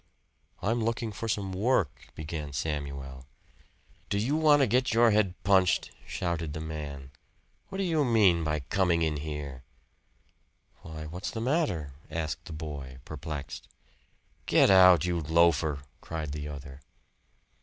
"I'm looking for some work," began Samuel. "Do you want to get your head punched?" shouted the man. "What do you mean by coming in here?" "Why, what's the matter?" asked the boy perplexed. "Get out, you loafer!" cried the other.